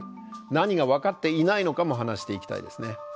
何が分かっていないのかも話していきたいですね。